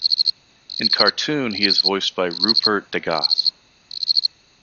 In cartoon he is voiced by Rupert Degas.